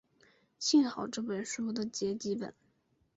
幸好这部书的结集本。